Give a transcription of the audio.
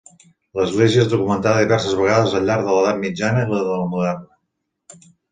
L'església és documentada diverses vegades al llarg de l'edat mitjana i de la moderna.